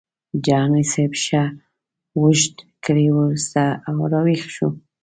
جهاني صاحب ښه اوږد ګړی وروسته راویښ شو.